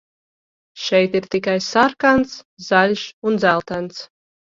Šeit ir tikai sarkans, zaļš un dzeltens.